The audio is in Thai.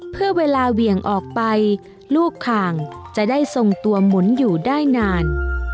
เพื่อเวลาเหวี่ยงออกไปลูกข่างจะได้ทรงตัวหมุนอยู่ได้นาน